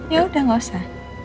yaudah nggak usah